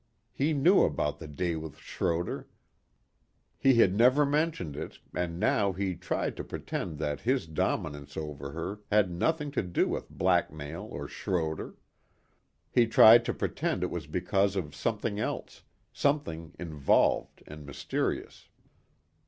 He knew about the day with Schroder. He had never mentioned it and now he tried to pretend this his dominance over her had nothing to do with blackmail or Schroder. He tried to pretend it was because of something else something involved and mysterious.